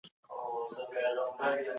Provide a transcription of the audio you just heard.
ما تاسي ته د یووالي پېغام راوړی دی.